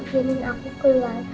jamin aku keluar